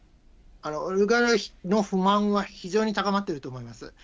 オリガルヒの不満は非常に高まっていると思います。